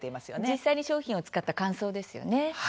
実際に商品を使った感想ですよね。